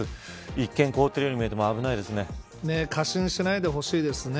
一見、凍っているように見えても過信しないでほしいですね。